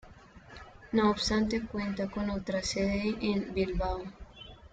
No obstante, cuenta con otra sede en Bilbao.